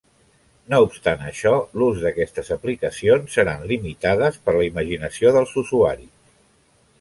No obstant això l'ús d'aquestes aplicacions seran limitades per la imaginació dels usuaris.